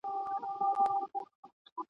هره ښځه چي حجاب نه لري بې مالګي طعام ده !.